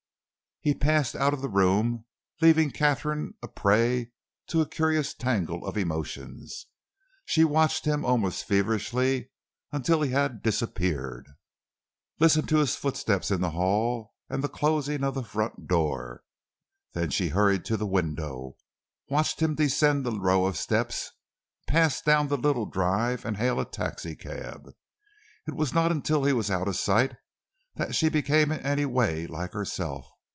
He passed out of the room, leaving Katharine a prey to a curious tangle of emotions. She watched him almost feverishly until he had disappeared, listened to his footsteps in the hall and the closing of the front door. Then she hurried to the window, watched him descend the row of steps, pass down the little drive and hail a taxicab. It was not until he was out of sight that she became in any way like herself.